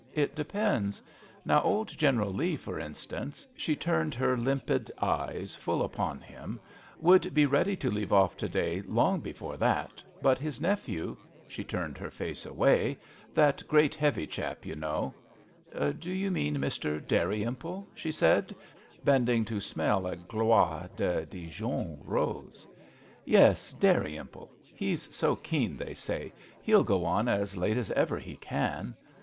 It depends. Now old General Leigh, for instance" (she turned her limpid eyes full upoh him), " would be ready to leave off to day long before that, but his nephew" (she turned her face away), "that great, heavy chap — you know "" Do you mean Mr. Dal rymple ?" she said, bending to smell a gloire de Dijon rose. " Yes, Dalrymple ; he's so keen, they say; he'll go on as late as ever he can."